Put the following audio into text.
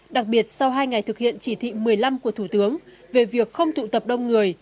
đặc biệt sau hai ngày thực hiện chỉ thị một mươi năm của thủ tướng về việc không tụ tập đông người